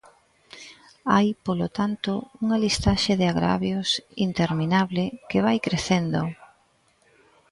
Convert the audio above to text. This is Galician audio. Hai, polo tanto, unha listaxe de agravios interminable que vai crecendo.